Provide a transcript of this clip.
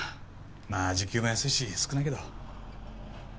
まあ時給も安いし少ないけど。